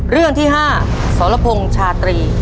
เรื่องที่๕สรพงศ์ชาตรี